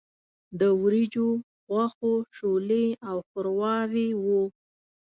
د وریجو، غوښو، شولې او ښورواوې وو.